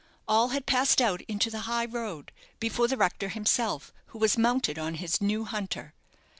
All had passed out into the high road before the rector himself, who was mounted on his new hunter.